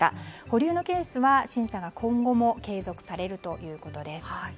保留のケースは審査が今後も継続されるということです。